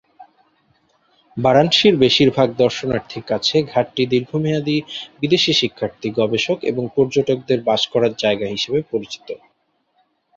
বারাণসীর বেশিরভাগ দর্শনার্থীর কাছে ঘাটটি দীর্ঘমেয়াদী বিদেশী শিক্ষার্থী, গবেষক এবং পর্যটকদের বাস করার জায়গা হিসেবে পরিচিত।